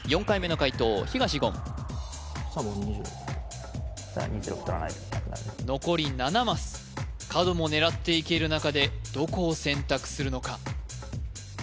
４回目の解答東言残り７マス角も狙っていける中でどこを選択するのか？